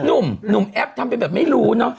หนุ่มแอปทำเป็นแบบไม่รู้เนอะ